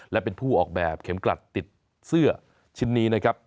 และเป็นผู้ออกแบบเข็มกลัดติดเสื้อชิ้นนี้นะครับ